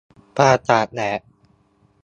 ประสาทแดก